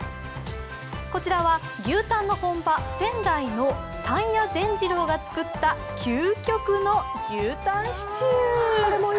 こちらは、牛たんの本場仙台のたんや善治郎が作った究極の牛たんシチュー。